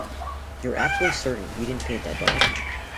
You're absolutely certain you didn't paint that dog?